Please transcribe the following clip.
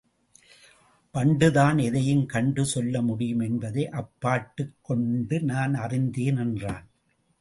வண்டுதான் எதையும் கண்டு சொல்ல முடியும் என்பதை அப்பாட்டுக் கொண்டு நான் அறிந்தேன் என்றான்.